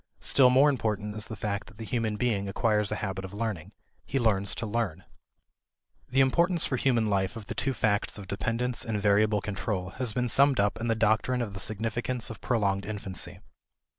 Still more important is the fact that the human being acquires a habit of learning. He learns to learn. The importance for human life of the two facts of dependence and variable control has been summed up in the doctrine of the significance of prolonged infancy.